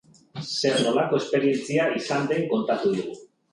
Zer-nolako esperientzia izan den kontatu digu.